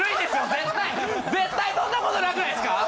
絶対そんなことなくないですか？